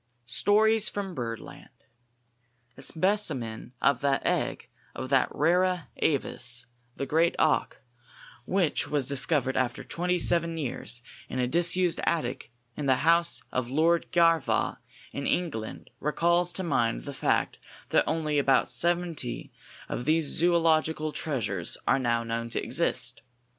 _ STORIES FROM BIRDLAND. A specimen of the egg of that rara avis, the great auk, which was discovered after twenty seven years in a disused attic in the house of Lord Garvagh in England, recalls to mind the fact that only about seventy of these zoölogical treasures are now known to exist.